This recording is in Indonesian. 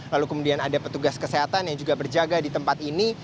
lalu kemudian ada petugas kesehatan yang juga berjaga di tempat ini